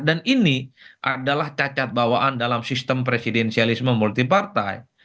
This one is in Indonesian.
dan ini adalah cacat bawaan dalam sistem presidensialisme multipartai